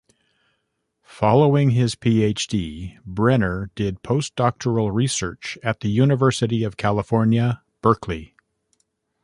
Following his PhD, Brenner did postdoctoral research at the University of California, Berkeley.